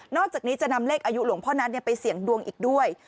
อกจากนี้จะนำเลขอายุหลวงพ่อนัทไปเสี่ยงดวงอีกด้วย